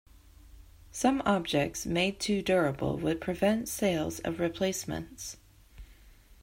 Some objects made too durable would prevent sales of replacements.